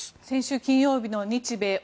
先週金曜日の日米